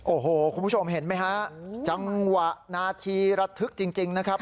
โอ้โหคุณผู้ชมเห็นไหมฮะจังหวะนาทีระทึกจริงนะครับ